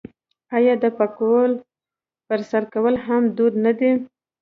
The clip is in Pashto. آیا د پکول په سر کول هم دود نه دی؟